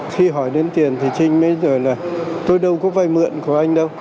khi hỏi đến tiền thì trinh mới rời là tôi đâu có vai mượn của anh đâu